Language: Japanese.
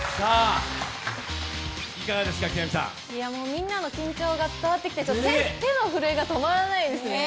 みんなの緊張が伝わってきて手の震えが止まらないですね。